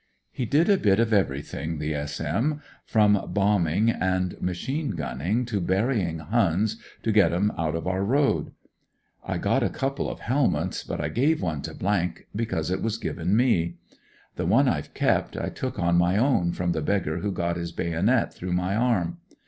He did a bit of everything, the S.M., 188 TiiE HOSPITAL MAIL BAGS •■' 'M firom bombing and machine gunning to biuying Huns to get 'em out of our road. I got a couple of helmets, but I gave one to , because it was given me. The one I've kept I took on my own from the beggar who got his bayonet through my arm.